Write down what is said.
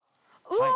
うわ！